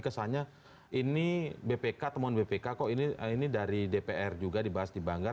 kesannya ini bpk temuan bpk kok ini dari dpr juga dibahas di banggar